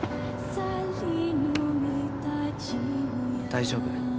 大丈夫。